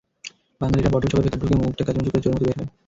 বাঙালিরা বটল শপের ভেতর ঢুকে মুখটা কাঁচুমাচু করে চোরের মতো বের হয়।